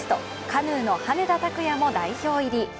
カヌーの羽根田卓也も代表入り。